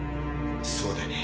そうだね。